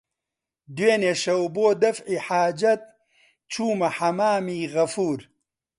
دوێنێ شەو بۆ دەفعی حاجەت چوومە حەممامی غەفوور